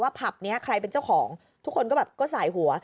ผับนี้ใครเป็นเจ้าของทุกคนก็แบบก็สายหัว